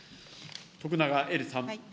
徳永エリさん。